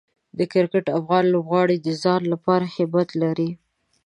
د کرکټ افغان لوبغاړي د ځان لپاره همت لري.